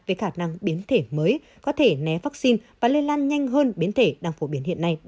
về khả năng biến thể mới có thể né vaccine và lây lan nhanh hơn biến thể đang phổ biến hiện nay